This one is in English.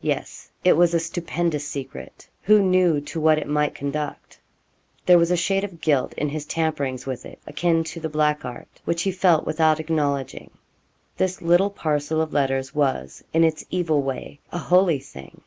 Yes, it was a stupendous secret. Who knew to what it might conduct? There was a shade of guilt in his tamperings with it, akin to the black art, which he felt without acknowledging. This little parcel of letters was, in its evil way, a holy thing.